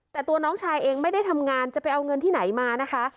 แต่ตัวน้องชายเองไม่ได้ทำงานจะไปเอาเงินที่ไหนมานะคะ